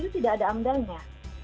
itu tidak ada amdalnya